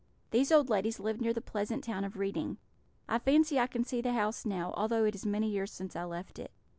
These old ladies lived near the pleasant town of Reading. I fancy I can see the house now, although it is many years since I left it.